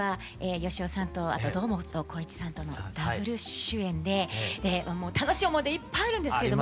芳雄さんとあと堂本光一さんとのダブル主演で楽しい思い出いっぱいあるんですけども。